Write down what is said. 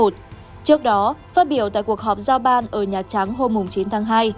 trước đó phát biểu tại cuộc họp giao ban ở nhà trắng hôm chín tháng hai